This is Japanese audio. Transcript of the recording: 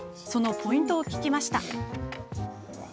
そのポイントを聞きました。